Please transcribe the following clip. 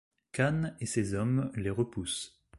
Kane et ses hommes les repoussent.